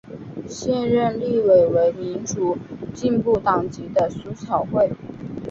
现任立委为民主进步党籍的苏巧慧。